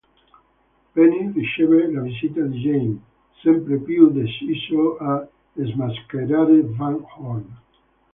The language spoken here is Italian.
Penny riceve la visita di Jamie, sempre più deciso a smascherare Van Horne.